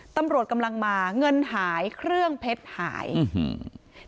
ตำรวจกำลังมาเงินหายเครื่องเพชรหายอื้อหือ